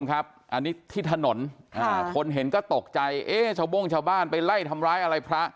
ครับอันนี้ที่ถนนคนเห็นก็ตกใจเอ๊ะชาวโบ้งชาวบ้านไปไล่ทำร้ายอะไรพระ